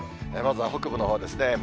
まずは北部のほうですね。